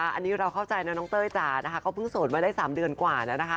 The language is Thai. อันนี้เราเข้าใจนะน้องเต้ยจ๋านะคะเขาเพิ่งโสดมาได้๓เดือนกว่าแล้วนะคะ